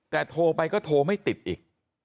แต่โทรไปก็โทรไม่ติดอีก